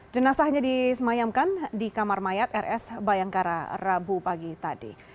jenazahnya disemayamkan di kamar mayat rs bayangkara rabu pagi tadi